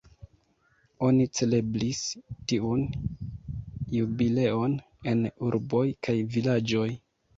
Oni celebris tiun jubileon en urboj kaj vilaĝoj.